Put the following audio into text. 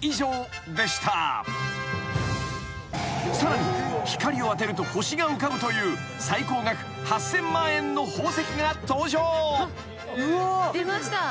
［さらに光を当てると星が浮かぶという最高額８，０００万円の宝石が登場］出ました。